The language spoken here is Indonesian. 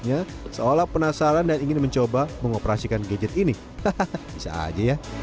pria dan istrinya yang sedang merekam video ini memang cibur peri mata besar ini dengan menunjukkan beberapa gambar menarik di tablet